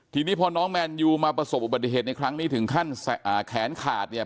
ทีนี้พอน้องแมนยูมาประสบอุบัติเหตุในครั้งนี้ถึงขั้นแขนขาดเนี่ย